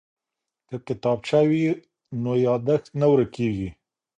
که کتابچه وي نو یادښت نه ورکیږي.